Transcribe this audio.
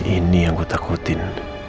ini yang gue takutin